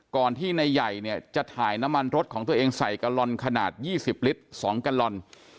ก่อนที่นายใหญ่เนี่ยจะถ่ายน้ำมันรถของตัวเองใส่กะลอนขนาด๒๐ลิตร๒กะลอน